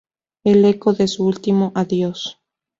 El eco de su último adiós.